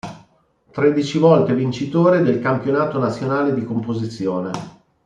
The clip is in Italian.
Tredici volte vincitore del campionato nazionale di composizione.